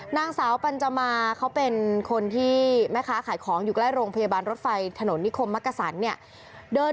นางสาวปัญจมาเขาเป็นคนที่แม่ค้าขายของอยู่ใกล้โรงพยาบาลรถไฟถนนนิคมมักกษันเนี่ย